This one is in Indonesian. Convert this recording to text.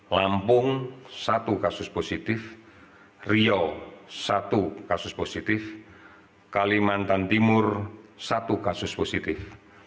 lampung satu kasus positif riau satu kasus positif kalimantan timur satu kasus positif